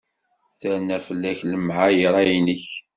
Terna fell-ak lemɛayṛa-inek.